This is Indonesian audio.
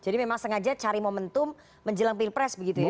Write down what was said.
jadi memang sengaja cari momentum menjelang pilpres begitu ya